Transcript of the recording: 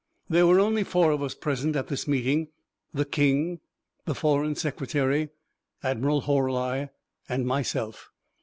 There were only four of us present at this meeting the King, the Foreign Secretary, Admiral Horli, and myself.